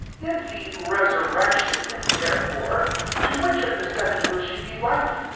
(28)In the resurrection therefore, of which of the seven shall she be wife?